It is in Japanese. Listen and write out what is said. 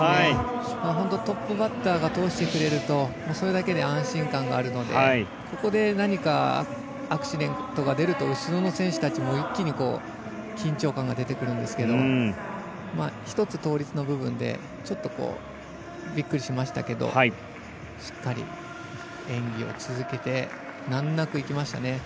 トップバッターが通してくれるとそれだけで安心感があるのでここで何かアクシデントが出ると後ろの選手たちも一気に緊張してますけど１つ、倒立の部分でびっくりしましたけどしっかり演技を続けて難なくいきましたね。